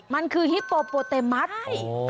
มันคือฮิปโปโปเตมัส